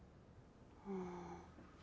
うん。